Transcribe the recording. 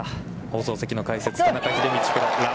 放送席の解説、田中秀道プロ。